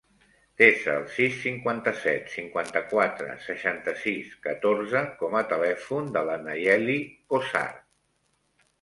Desa el sis, cinquanta-set, cinquanta-quatre, seixanta-sis, catorze com a telèfon de la Nayeli Cozar.